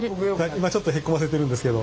今ちょっとへっこませてるんですけど。